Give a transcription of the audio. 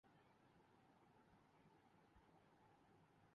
آج مجھے اپنی انکھوں پر رشک ہو رہا تھا